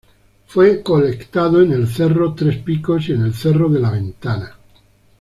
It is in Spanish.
Fue colectado en el cerro Tres Picos y en el cerro de la Ventana.